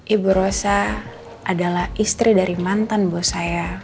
ibu rosa adalah istri dari mantan bos saya